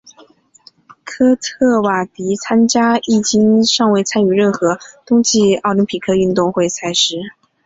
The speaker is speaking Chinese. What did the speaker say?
科特迪瓦参赛迄今尚未参与任何冬季奥林匹克运动会赛事。